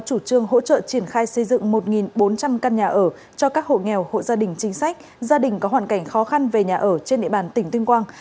cho các hộ nghèo hộ gia đình chính sách gia đình có hoàn cảnh khó khăn về nhà ở trên địa bàn tỉnh tuyên quang